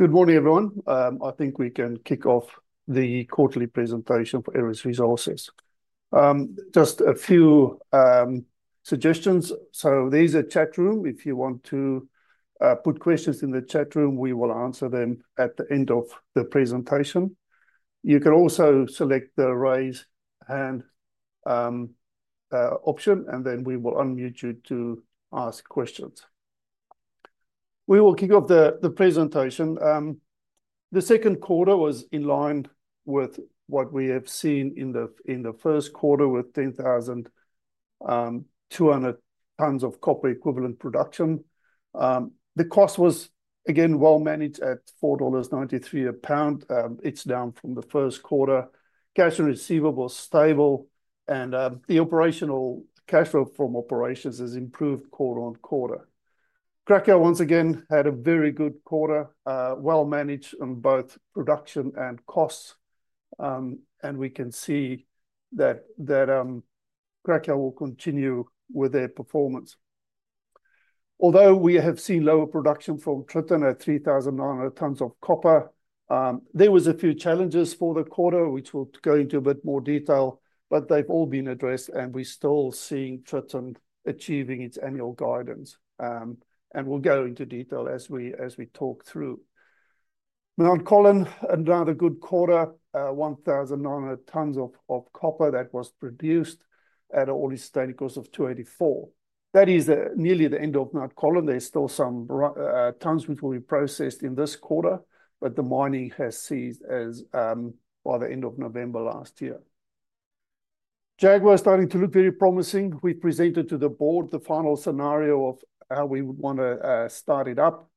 Good morning, everyone. I think we can kick off the quarterly presentation for Aeris Resources. Just a few suggestions. There's a chat room. If you want to put questions in the chat room, we will answer them at the end of the presentation. You can also select the raise hand option, and then we will unmute you to ask questions. We will kick off the presentation. The second quarter was in line with what we have seen in the first quarter, with 10,200 tonnes of copper equivalent production. The cost was, again, well managed at $4.93 a pound. It's down from the first quarter. Cash and receivables is stable, and the operational cash flow from operations has improved quarter on quarter. Cracow once again had a very good quarter, well managed on both production and costs. We can see that Cracow will continue with their performance. Although we have seen lower production from Tritton at 3,900 tonnes of copper, there were a few challenges for the quarter, which we'll go into a bit more detail, but they've all been addressed, and we're still seeing Tritton achieving its annual guidance. We'll go into detail as we talk through. Mt Colin, another good quarter, 1,900 tonnes of copper that was produced at an AISC cost of $284. That is nearly the end of Mt Colin. There's still some tonnes which will be processed in this quarter, but the mining has ceased by the end of November last year. Jaguar is starting to look very promising. We presented to the board the final scenario of how we would want to start it up.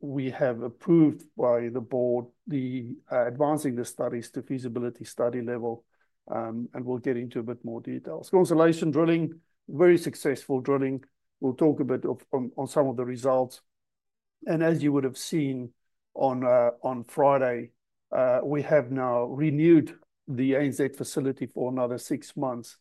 We have approved by the board advancing the studies to feasibility study level. We'll get into a bit more detail. Constellation drilling, very successful drilling. We'll talk a bit on some of the results. And as you would have seen on Friday, we have now renewed the ANZ facility for another six months.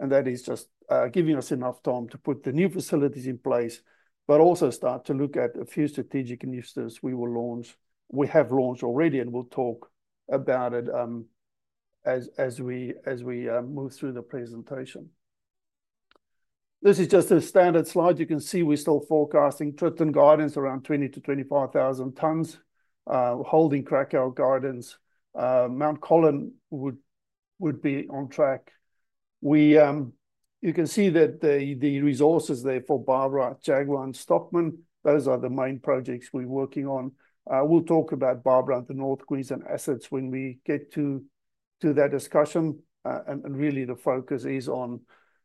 And that is just giving us enough time to put the new facilities in place, but also start to look at a few strategic initiatives we will launch. We have launched already, and we'll talk about it as we move through the presentation. This is just a standard slide. You can see we're still forecasting Tritton guidance around 20,000 to 25,000 tonnes, holding Cracow guidance. Mt Colin would be on track. You can see that the resources there for Barbara, Jaguar, and Stockman, those are the main projects we're working on. We'll talk about Barbara and the North Queensland assets when we get to that discussion. And really, the focus is on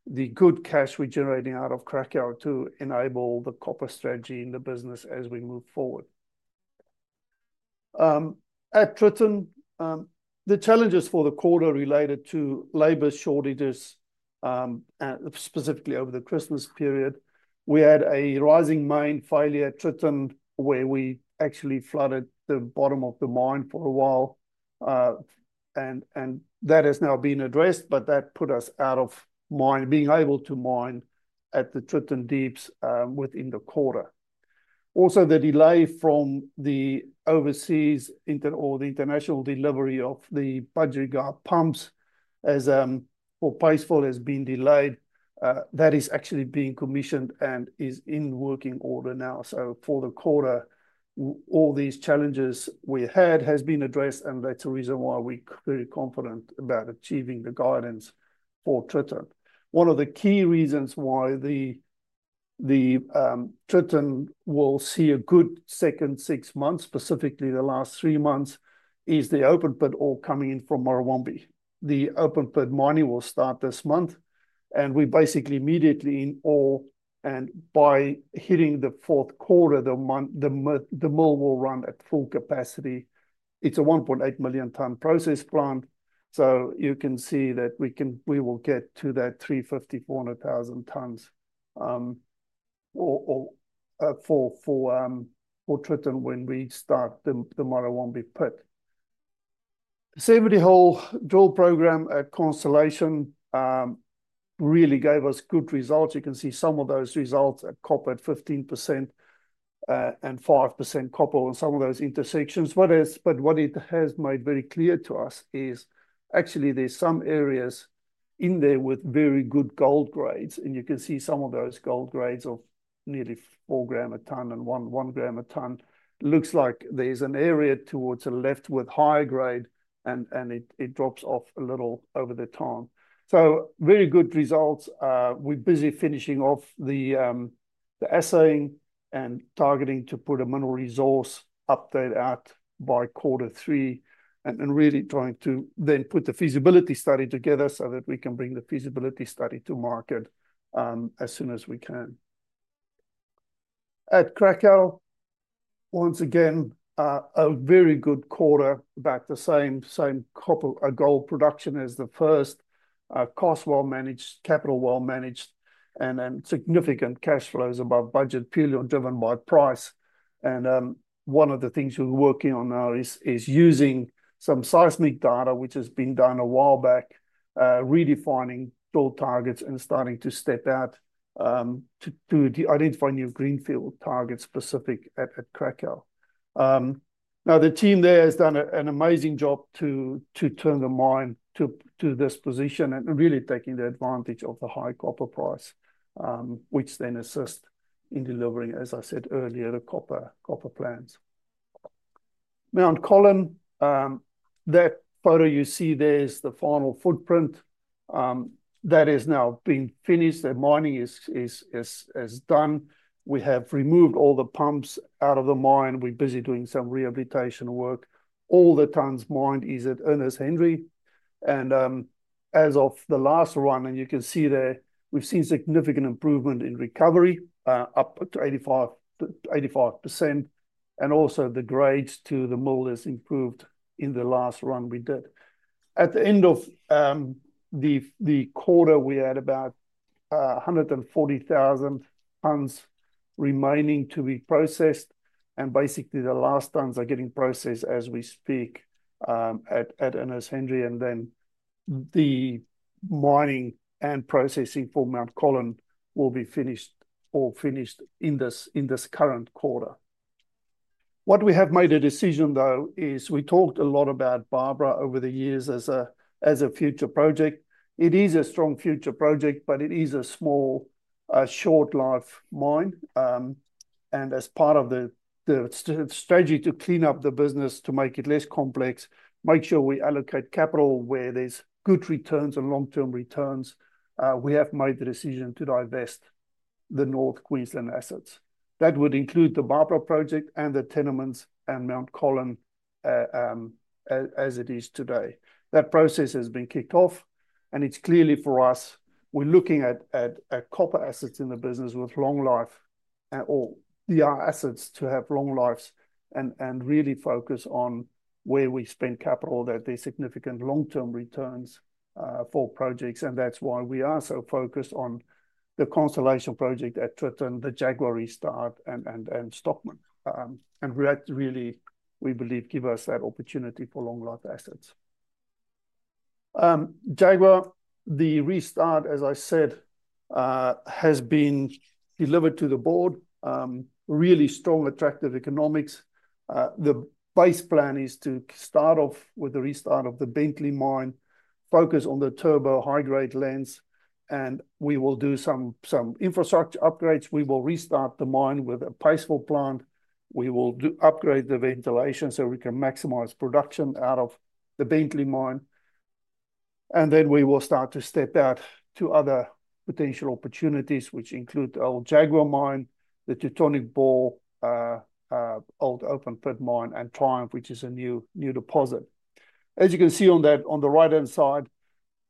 the good cash we're generating out of Cracow to enable the copper strategy in the business as we move forward. At Tritton, the challenges for the quarter related to labor shortages, specifically over the Christmas period. We had a rising main failure at Tritton, where we actually flooded the bottom of the mine for a while. And that has now been addressed, but that put us out of mine, being able to mine at the Tritton Deeps within the quarter. Also, the delay from the overseas or the international delivery of the Budgerygar pumps for paste fill has been delayed. That is actually being commissioned and is in working order now. So for the quarter, all these challenges we had have been addressed. And that's the reason why we're very confident about achieving the guidance for Tritton. One of the key reasons why Tritton will see a good second six months, specifically the last three months, is the open pit ore coming in from Murrawombie. The open pit mining will start this month, and we basically immediately in ore, and by hitting the fourth quarter, the mill will run at full capacity. It's a 1.8 million tonne process plant, so you can see that we will get to that 350,000-400,000 tonnes for Tritton when we start the Murrawombie pit. The 70-hole drill program at Constellation really gave us good results. You can see some of those results at copper at 15% and 5% copper on some of those intersections. But what it has made very clear to us is actually there's some areas in there with very good gold grades. You can see some of those gold grades of nearly four grams a tonne and one gram a tonne. Looks like there's an area towards the left with high grade, and it drops off a little over time. Very good results. We're busy finishing off the assaying and targeting to put a mineral resource update out by quarter three. We really are trying to then put the feasibility study together so that we can bring the feasibility study to market as soon as we can. At Cracow, once again, a very good quarter, about the same copper and gold production as the first, cost well managed, capital well managed, and significant cash flows above budget, purely driven by price. And one of the things we're working on now is using some seismic data, which has been done a while back, redefining drill targets and starting to step out to identify new greenfield targets specific at Cracow. Now, the team there has done an amazing job to turn the mine to this position and really taking the advantage of the high copper price, which then assists in delivering, as I said earlier, the copper plants. Mt Colin, that photo you see there is the final footprint. That has now been finished. The mining is done. We have removed all the pumps out of the mine. We're busy doing some rehabilitation work. All the tonnes mined is at Ernest Henry. And as of the last run, and you can see there, we've seen significant improvement in recovery up to 85%. And also the grades to the mill has improved in the last run we did. At the end of the quarter, we had about 140,000 tonnes remaining to be processed. And basically, the last tonnes are getting processed as we speak at Ernest Henry. And then the mining and processing for Mt Colin will be finished or finished in this current quarter. What we have made a decision, though, is we talked a lot about Barbara over the years as a future project. It is a strong future project, but it is a small, short-life mine. And as part of the strategy to clean up the business, to make it less complex, make sure we allocate capital where there's good returns and long-term returns, we have made the decision to divest the North Queensland assets. That would include the Barbara project and the tenements and Mt Colin as it is today. That process has been kicked off. It's clearly for us. We're looking at copper assets in the business with long life or the assets to have long lives and really focus on where we spend capital that there's significant long-term returns for projects. That's why we are so focused on the Constellation project at Tritton, the Jaguar restart, and Stockman. That really, we believe, gives us that opportunity for long-life assets. Jaguar, the restart, as I said, has been delivered to the board. Really strong, attractive economics. The base plan is to start off with the restart of the Bentley mine, focus on the Turbo high-grade lens, and we will do some infrastructure upgrades. We will restart the mine with a paste fill plant. We will upgrade the ventilation so we can maximize production out of the Bentley mine. We will start to step out to other potential opportunities, which include the old Jaguar mine, the Teutonic Bore old open pit mine, and Triumph, which is a new deposit. As you can see on the right-hand side,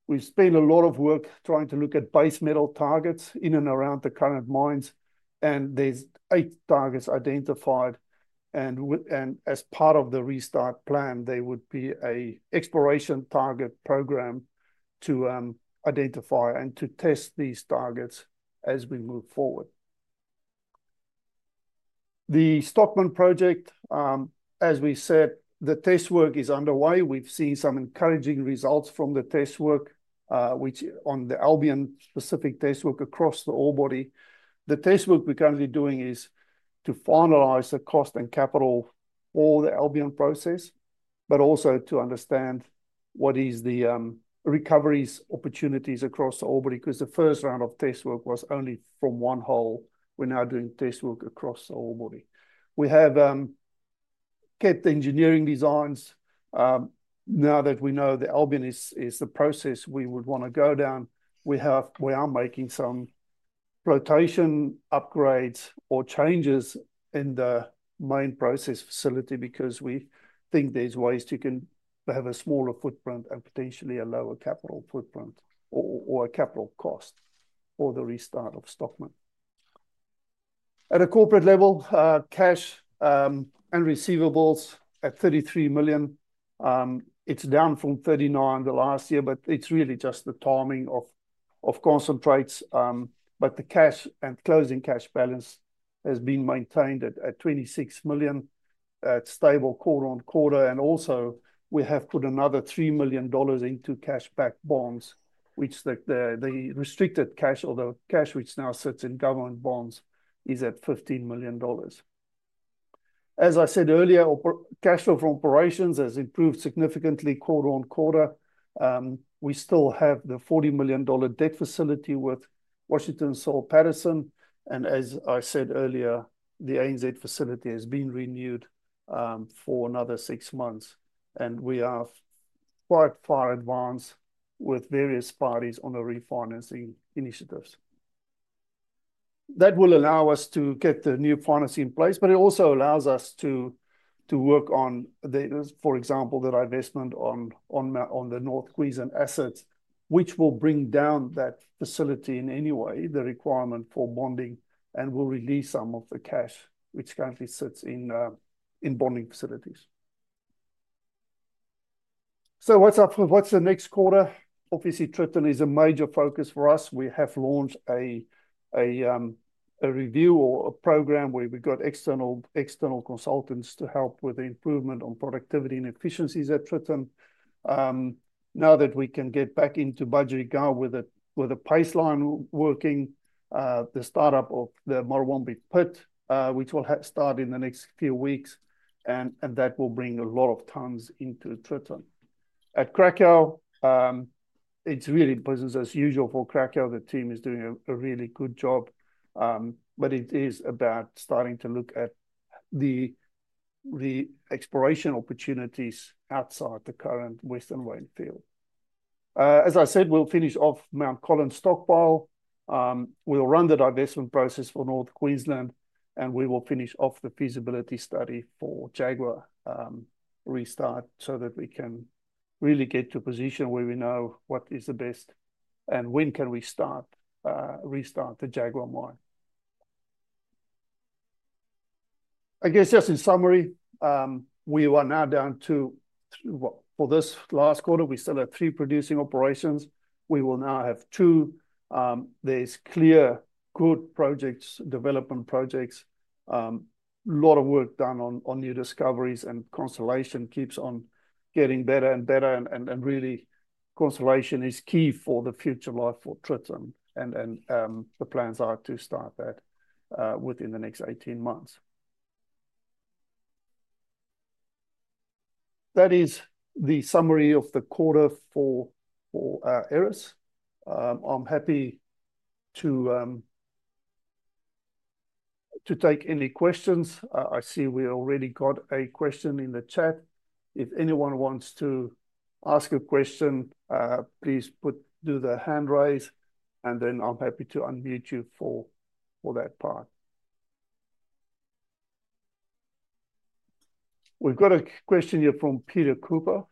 we've spent a lot of work trying to look at base metal targets in and around the current mines. There's eight targets identified. As part of the restart plan, there would be an exploration target program to identify and to test these targets as we move forward. The Stockman project, as we said, the test work is underway. We've seen some encouraging results from the test work, which on the Albion specific test work across the ore body. The test work we're currently doing is to finalize the cost and capital for the Albion Process, but also to understand what are the recovery opportunities across the ore body. Because the first round of test work was only from one hole, we're now doing test work across the ore body. We have kept engineering designs. Now that we know the Albion Process is the process we would want to go down, we are making some rotation upgrades or changes in the main process facility because we think there's ways to have a smaller footprint and potentially a lower capital footprint or a capital cost for the restart of Stockman. At a corporate level, cash and receivables at 33 million. It's down from 39 the last year, but it's really just the timing of concentrates. But the cash and closing cash balance has been maintained at 26 million. It's stable quarter on quarter. Also, we have put another $3 million into cash-backed bonds, which the restricted cash, or the cash which now sits in government bonds, is at $15 million. As I said earlier, cash flow from operations has improved significantly quarter on quarter. We still have the $40 million debt facility with Washington H. Soul Pattinson. As I said earlier, the ANZ facility has been renewed for another six months. We are quite far advanced with various parties on the refinancing initiatives. That will allow us to get the new financing in place, but it also allows us to work on, for example, the divestment on the North Queensland assets, which will bring down that facility in any way, the requirement for bonding, and will release some of the cash which currently sits in bonding facilities. What's the next quarter? Obviously, Tritton is a major focus for us. We have launched a review or a program where we've got external consultants to help with the improvement on productivity and efficiencies at Tritton. Now that we can get back into Budgerygar with the paste line. We'll run the divestment process for North Queensland, and we will finish off the feasibility study for Jaguar restart so that we can really get to a position where we know what is the best and when can we restart the Jaguar mine. I guess just in summary, we are now down to for this last quarter, we still have three producing operations. We will now have two. There's clear good projects, development projects. A lot of work done on new discoveries, and Constellation keeps on getting better and better. And really, Constellation is key for the future life for Tritton. And the plans are to start that within the next 18 months. That is the summary of the quarter for Aeris. I'm happy to take any questions. I see we already got a question in the chat. If anyone wants to ask a question, please do the hand raise. And then I'm happy to unmute you for that part. We've got a question here from Peter Cooper.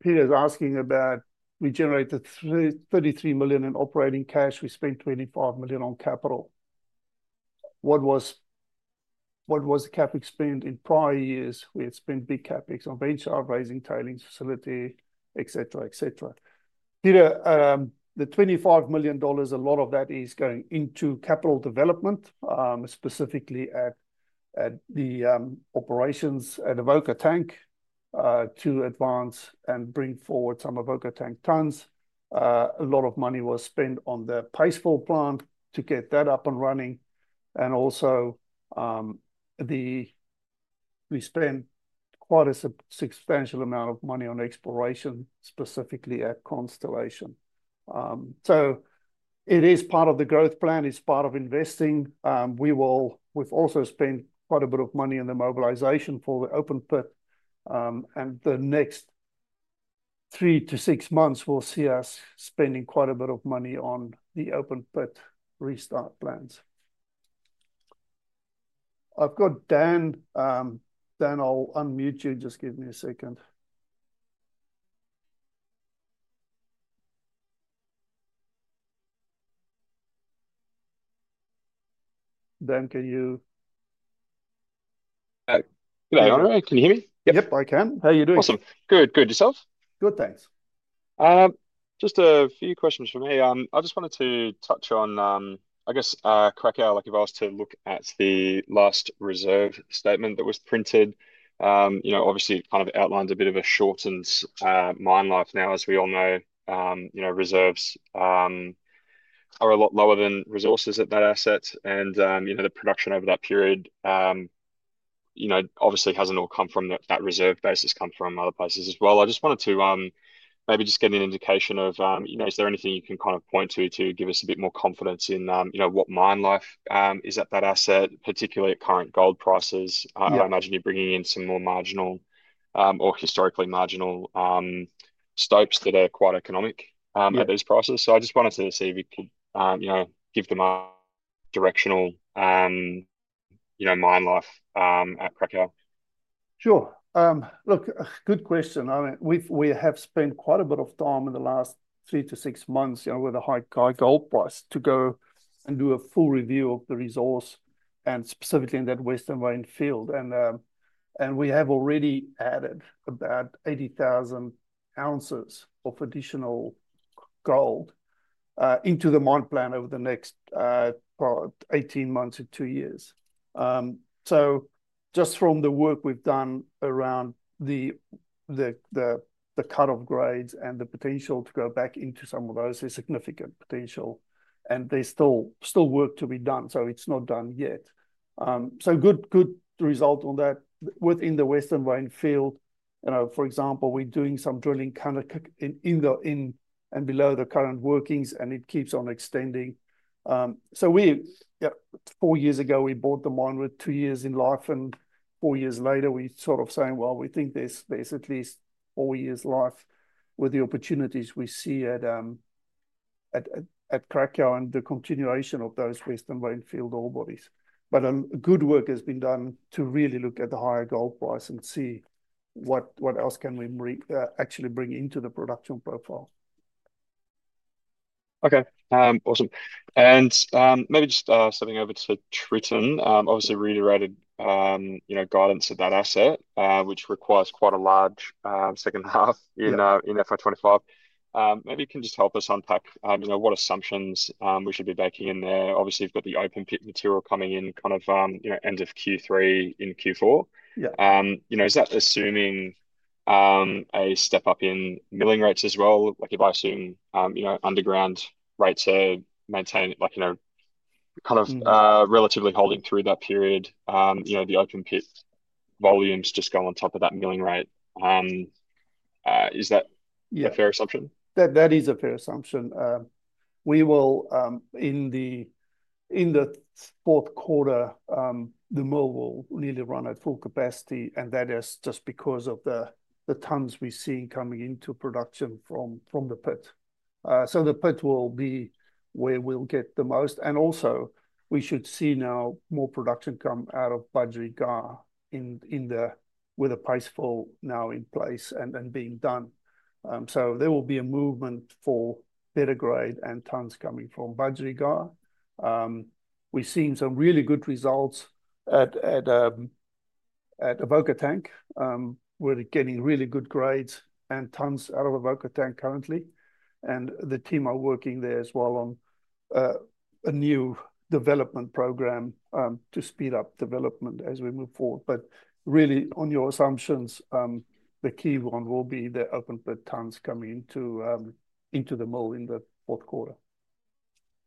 Peter is asking about, "We generated 33 million in operating cash. We spent 25 million on capital. What was the CapEx spent in prior years? We had spent big CapEx on venture raising, tailings facility, et cetera, et cetera." Peter, the 25 million dollars, a lot of that is going into capital development, specifically at the operations at Avoca Tank to advance and bring forward some Avoca Tank tons. A lot of money was spent on the paste plant to get that up and running. And also, we spent quite a substantial amount of money on exploration, specifically at Constellation. So it is part of the growth plan, it's part of investing. We've also spent quite a bit of money on the mobilisation for the open pit. And the next three to six months, we'll see us spending quite a bit of money on the open pit restart plans. I've got Dan. Dan, I'll unmute you. Just give me a second. Dan, can you? Good afternoon. Can you hear me? Yep. Yep, I can. How are you doing? Awesome. Good. Good. Yourself? Good. Thanks. Just a few questions for me. I just wanted to touch on, I guess, Cracow, like you've asked to look at the last reserve statement that was printed. Obviously, it kind of outlines a bit of a shortened mine life now, as we all know. Reserves are a lot lower than resources at that asset. And the production over that period obviously hasn't all come from that reserve basis come from other places as well. I just wanted to maybe just get an indication of, is there anything you can kind of point to to give us a bit more confidence in what mine life is at that asset, particularly at current gold prices? I imagine you're bringing in some more marginal or historically marginal stopes that are quite economic at these prices. So I just wanted to see if you could give them a directional mine life at Cracow. Sure. Look, good question. We have spent quite a bit of time in the last three to six months with a high gold price to go and do a full review of the resource and specifically in that Western Vein Field. And we have already added about 80,000 ounces of additional gold into the mine plan over the next 18 months to two years. Just from the work we've done around the cut-off grades and the potential to go back into some of those, there's significant potential. And there's still work to be done. So it's not done yet. So good result on that within the Western Vein Field. For example, we're doing some drilling kind of in and below the current workings, and it keeps on extending. So four years ago, we bought the mine with two years in life. And four years later, we're sort of saying, well, we think there's at least four years' life with the opportunities we see at Cracow and the continuation of those Western Vein Field ore bodies. But good work has been done to really look at the higher gold price and see what else can we actually bring into the production profile. Okay. Awesome. And maybe just stepping over to Tritton, obviously reiterated guidance of that asset, which requires quite a large second half in FY25. Maybe you can just help us unpack what assumptions we should be baking in there. Obviously, you've got the open pit material coming in kind of end of Q3 in Q4. Is that assuming a step up in milling rates as well? Like if I assume underground rates are maintained, kind of relatively holding through that period, the open pit volumes just go on top of that milling rate. Is that a fair assumption? That is a fair assumption. In the fourth quarter, the mill will nearly run at full capacity. And that is just because of the tonnes we're seeing coming into production from the pit. So the pit will be where we'll get the most. And also, we should see now more production come out of Budgerygar with a paste fill now in place and being done. So there will be a movement for better grade and tonnes coming from Budgerygar. We've seen some really good results at Avoca Tank. We're getting really good grades and tonnes out of Avoca Tank currently. And the team are working there as well on a new development program to speed up development as we move forward. But really, on your assumptions, the key one will be the open pit tonnes coming into the mill in the fourth quarter.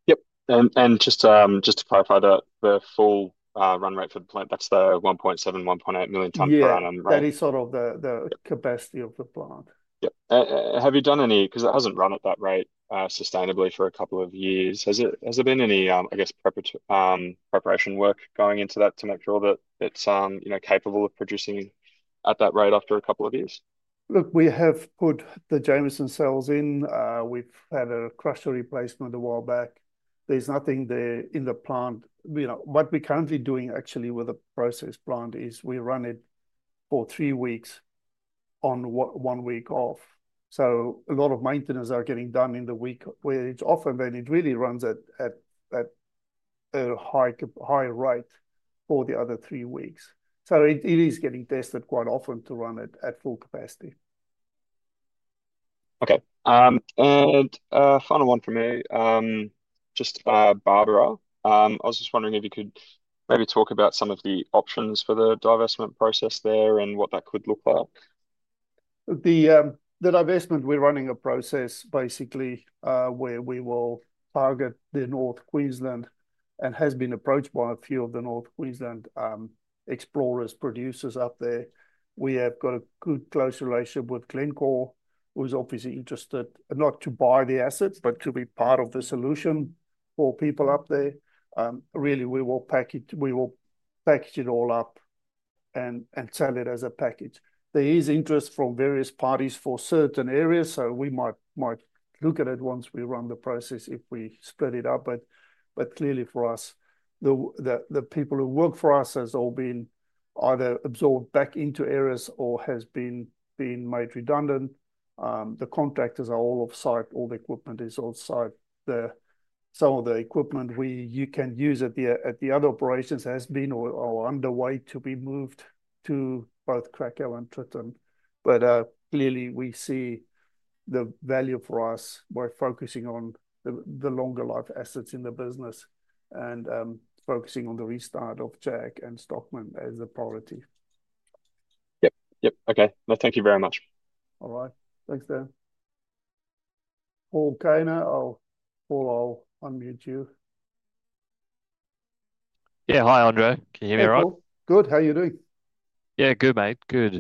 Yep. And just to clarify the full run rate for the plant, that's the 1.7-1.8 million tonnes per annum, right? Yeah, that is sort of the capacity of the plant. Yep. Have you done any because it hasn't run at that rate sustainably for a couple of years. Has there been any, I guess, preparation work going into that to make sure that it's capable of producing at that rate after a couple of years? Look, we have put the Jameson cells in. We've had a crusher replacement a while back. There's nothing there in the plant. What we're currently doing actually with the process plant is we run it for three weeks on one week off. So a lot of maintenance are getting done in the week where it's often then it really runs at a high rate for the other three weeks. So it is getting tested quite often to run it at full capacity. Okay. And final one for me, just Barbara. I was just wondering if you could maybe talk about some of the options for the divestment process there and what that could look like. The divestment, we're running a process basically where we will target the North Queensland and has been approached by a few of the North Queensland explorers, producers up there. We have got a good close relationship with Glencore, who's obviously interested not to buy the assets, but to be part of the solution for people up there. Really, we will package it all up and sell it as a package. There is interest from various parties for certain areas, so we might look at it once we run the process if we split it up. But clearly, for us, the people who work for us have all been either absorbed back into areas or have been made redundant. The contractors are all off-site. All the equipment is off-site. Some of the equipment you can use at the other operations has been or are underway to be moved to both Cracow and Tritton. But clearly, we see the value for us by focusing on the longer life assets in the business and focusing on the restart of Jaguar and Stockman as a priority. Yep. Yep. Okay. Well, thank you very much. All right. Thanks, Dan. Paul Kaner, I'll unmute you. Yeah. Hi, Andre. Can you hear me all right? Good. How are you doing? Yeah, good, mate. Good.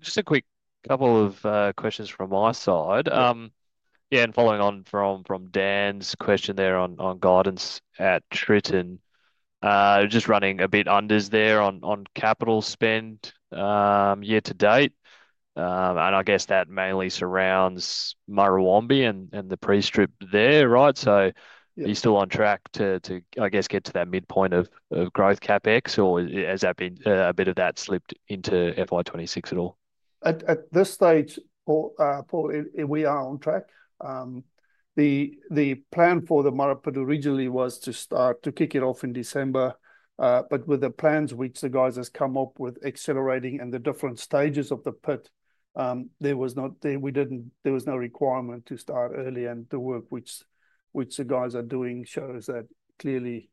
Just a quick couple of questions from my side. Yeah. And following on from Dan's question there on guidance at Tritton, just running a bit unders there on capital spend year to date. And I guess that mainly surrounds Murrawombie and the pre-strip there, right? So are you still on track to, I guess, get to that midpoint of growth CapEx, or has that been a bit of that slipped into FY26 at all? At this stage, Paul, we are on track. The plan for the Murrawombie originally was to start to kick it off in December, but with the plans which the guys have come up with accelerating and the different stages of the pit, there was no requirement to start early, and the work which the guys are doing shows that clearly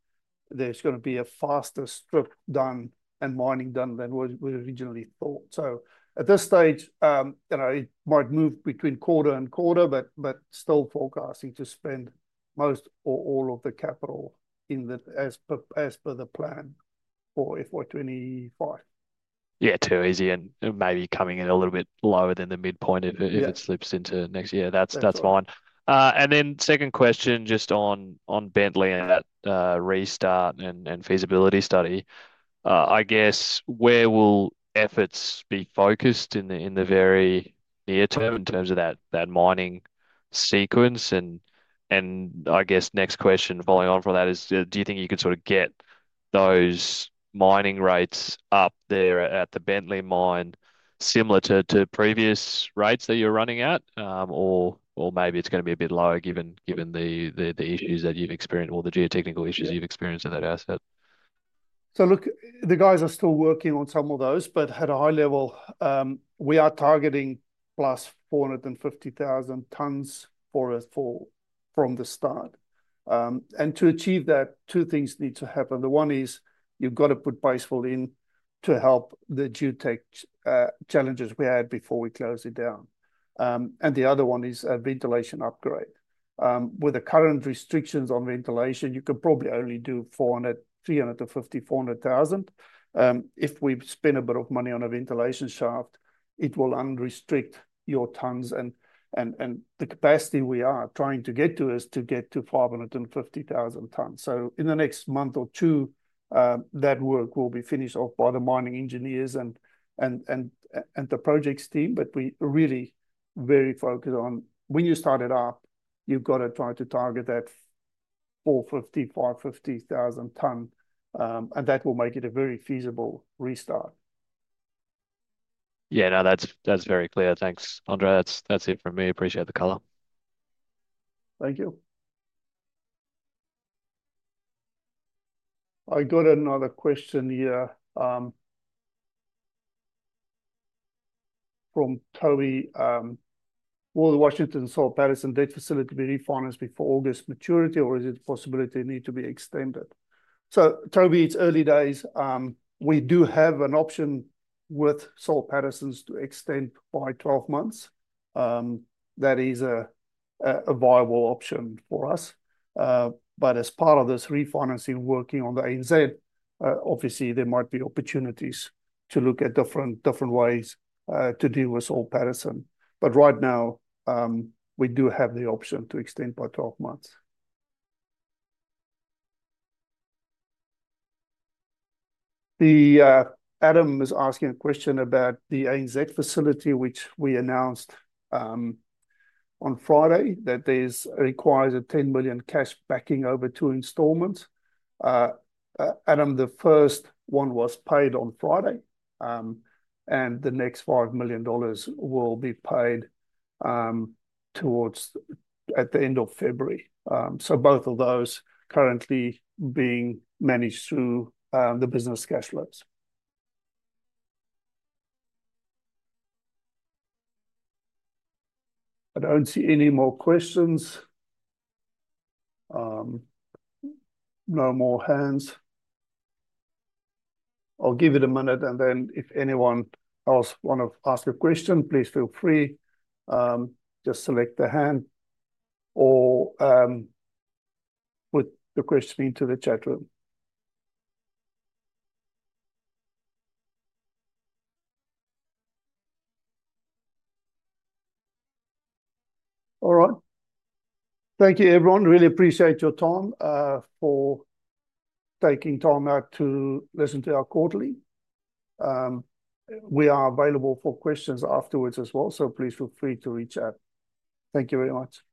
there's going to be a faster strip done and mining done than we originally thought, so at this stage, it might move between quarter and quarter, but still forecasting to spend most or all of the capital as per the plan for FY25. Yeah, too easy. And maybe coming in a little bit lower than the midpoint if it slips into next year. That's fine. And then second question just on Bentley and that restart and feasibility study. I guess where will efforts be focused in the very near term in terms of that mining sequence? And I guess next question following on from that is, do you think you could sort of get those mining rates up there at the Bentley mine similar to previous rates that you're running at? Or maybe it's going to be a bit lower given the issues that you've experienced, all the geotechnical issues you've experienced in that asset? So look, the guys are still working on some of those, but at a high level, we are targeting plus 450,000 tonnes from the start. And to achieve that, two things need to happen. The one is you've got to put paste fill in to help the geotech challenges we had before we closed it down. And the other one is a ventilation upgrade. With the current restrictions on ventilation, you could probably only do 350,000-400,000. If we spend a bit of money on a ventilation shaft, it will unrestrict your tonnes. And the capacity we are trying to get to is to get to 550,000 tonnes. So in the next month or two, that work will be finished off by the mining engineers and the projects team. But we really very focused on when you start it up, you've got to try to target that 450,000-550,000 tonne. And that will make it a very feasible restart. Yeah, no, that's very clear. Thanks, Andre. That's it from me. Appreciate the color. Thank you. I got another question here from Toby. Will the Washington H. Soul Pattinson debt facility be refinanced before August maturity, or is it a possibility it needs to be extended? So, Toby, it's early days. We do have an option with Soul Pattinson to extend by 12 months. That is a viable option for us. But as part of this refinancing, working on the ANZ, obviously, there might be opportunities to look at different ways to deal with Soul Pattinson. But right now, we do have the option to extend by 12 months. Adam is asking a question about the ANZ facility, which we announced on Friday that requires a 10 million cash backing over two installments. Adam, the first one was paid on Friday. And the next 5 million dollars will be paid towards the end of February. So both of those currently being managed through the business cash flows. I don't see any more questions. No more hands. I'll give it a minute, and then if anyone else wants to ask a question, please feel free. Just select the hand or put the question into the chat room. All right. Thank you, everyone. Really appreciate your time for taking time out to listen to our quarterly. We are available for questions afterwards as well, so please feel free to reach out. Thank you very much.